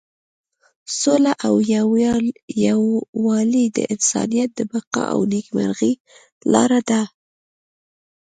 سوله او یووالی د انسانیت د بقا او نیکمرغۍ لاره ده.